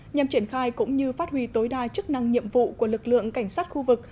nhằm triển khai cũng như phát huy tối đa chức năng nhiệm vụ của lực lượng cảnh sát khu vực